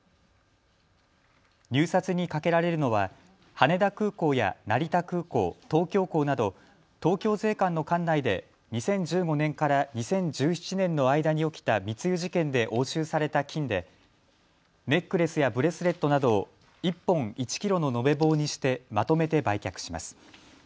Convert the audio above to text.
入札にかけられるのは羽田空港や成田空港、東京港など東京税関の管内で２０１５年から２０１７年の間に起きた密輸事件で押収された金でネックレスやブレスレットなどを１本１キロの延べ棒にしてまとめて売却します。